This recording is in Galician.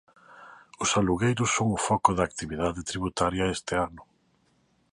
Os alugueiros son o foco da actividade tributaria este ano.